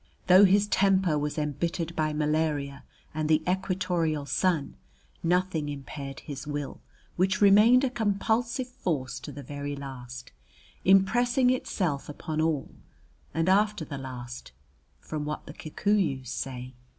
Though his temper was embittered by malaria and the equatorial sun, nothing impaired his will, which remained a compulsive force to the very last, impressing itself upon all, and after the last, from what the Kikuyus say.